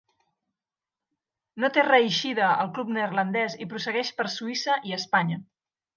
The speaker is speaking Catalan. No té reeixida al club neerlandès i prossegueix per Suïssa i Espanya.